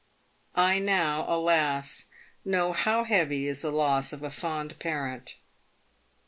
I now, alas ! know how heavy is the loss of a fond parent.